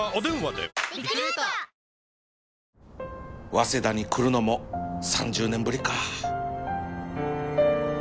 早稲田に来るのも３０年ぶりか